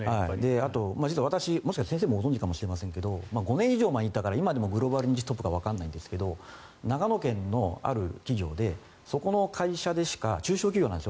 あと、実は私先生もご存じかもしれませんが５年以上前だから今でもグローバルニッチトップ企業かわからないんですが長野県のある企業でそこの会社でしか中小企業なんですよ